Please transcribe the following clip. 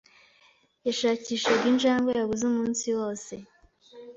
Yashakishaga injangwe yabuze umunsi wose.